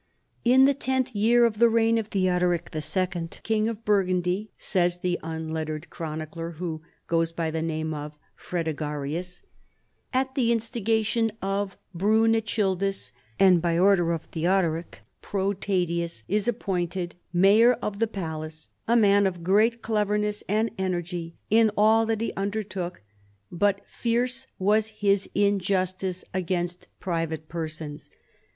" In the tenth year of the reign of Theodoric IL, King of Burgundy," says the unlettered chronicler who goes by the name of Fredegarius,* " at the in stigation of Brunechildis, and by order of Theodoric, Protadius is appointed mayor of the palace, a man of great cleverness and energy in all that he undertook, but fierce was his injustice against private persons.